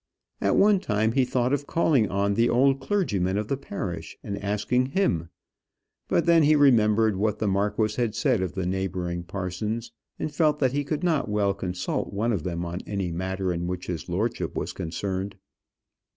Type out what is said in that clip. At one time he thought of calling on the old clergyman of the parish and asking him; but then he remembered what the marquis had said of the neighbouring parsons, and felt that he could not well consult one of them on any matter in which his lordship was concerned.